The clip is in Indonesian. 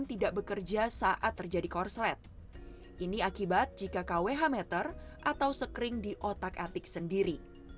ini akibat jika kwh meter atau sekring di otak atik sendiri